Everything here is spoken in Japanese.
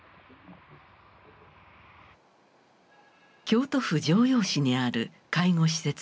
京都府城陽市にある介護施設です。